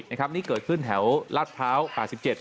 นี่เกิดขึ้นแถวราชเภาคอ๑๗